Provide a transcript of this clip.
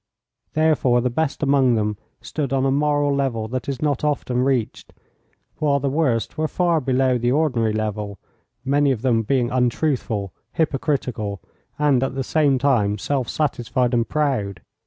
Therefore the best among them stood on a moral level that is not often reached, while the worst were far below the ordinary level, many of them being untruthful, hypocritical and at the same time self satisfied and proud.